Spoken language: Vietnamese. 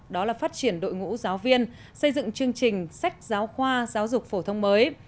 đó là phát triển đội ngũ giáo viên xây dựng chương trình sách giáo khoa giáo dục phổ thông mới